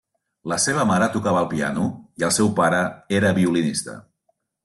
La seva mare tocava el piano i el seu pare era violinista.